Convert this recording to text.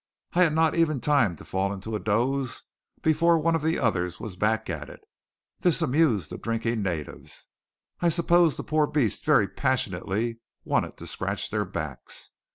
I had not even time to fall into a doze before one of the others was back at it. This amused the drinking natives. I suppose the poor beasts very passionately wanted to scratch their backs.